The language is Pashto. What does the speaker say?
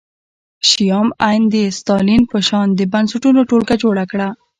شیام عین د ستالین په شان د بنسټونو ټولګه جوړه کړه